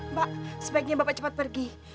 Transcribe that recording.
mbak sebaiknya bapak cepat pergi